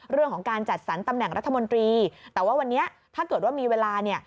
เรื่องของการจัดสรรตำแหน่งรัฐมนตรีแต่ว่าวันนี้ถ้าเกิดว่ามีเวลาเนี่ย